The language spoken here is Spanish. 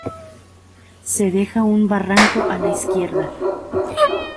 Se deja un barranco a la izquierda.